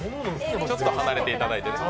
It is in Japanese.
ちょっと離れていただいてね。